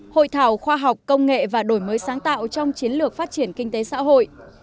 hội thảo khoa học công nghệ và đổi mới sáng tạo trong chiến lược phát triển kinh tế xã hội